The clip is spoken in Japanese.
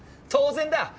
当然だ。